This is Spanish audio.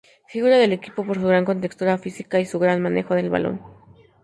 Figura del equipo por su gran contextura física y su gran manejo del balón.